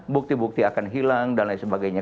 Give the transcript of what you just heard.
bukti bukti akan hilang dan lain sebagainya